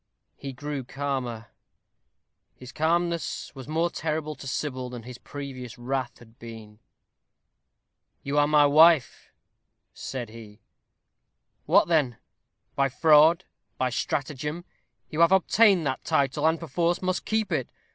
He grew calmer; his calmness was more terrible to Sybil than his previous wrath had been. "You are my wife," said he; "what then? By fraud, by stratagem, you have obtained that title, and, perforce, must keep it.